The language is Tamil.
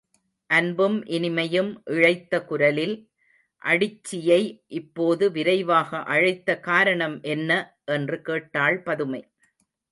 அன்பும் இனிமையும் இழைத்த குரலில், அடிச்சியை இப்போது விரைவாக அழைத்த காரணம் என்ன? என்று கேட்டாள் பதுமை.